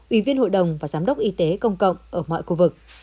ủy viên hội đồng và giám đốc y tế công cộng ở mọi khu vực